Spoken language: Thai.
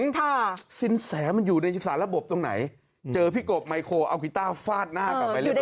ค่ะสินแสมันอยู่ในสารระบบตรงไหนเจอพี่กบไมโครเอากีต้าฟาดหน้ากลับไปเรียบร